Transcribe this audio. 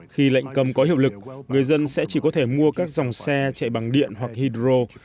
khi lệnh cấm có hiệu lực người dân sẽ chỉ có thể mua các dòng xe chạy bằng điện hoặc hydro